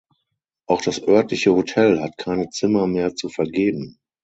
Auch das örtliche Hotel hat keine Zimmer mehr zu vergeben.